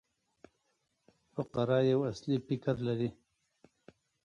فقره یو اصلي فکر لري.